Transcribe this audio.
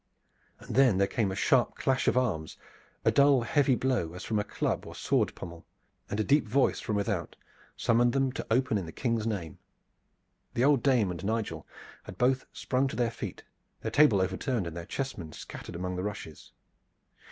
And then there came a sharp clash of arms, a dull heavy blow as from a club or sword pommel, and a deep voice from without summoned them to open in the King's name. The old dame and Nigel had both sprung to their feet, their table overturned and their chessmen scattered among the rushes.